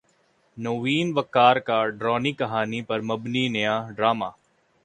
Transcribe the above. نوین وقار کا ڈرانی کہانی پر مبنی نیا ڈراما